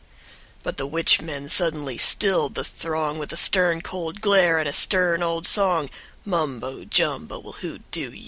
# But the witch men suddenly stilled the throng With a stern cold glare, and a stern old song: "Mumbo Jumbo will hoo doo you."...